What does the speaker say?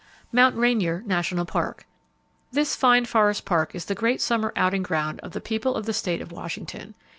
Mount Rainier National Park. —This fine forest park is the great summer outing ground of the people of the state of Washington.